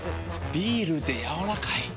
ビールでやわらかい。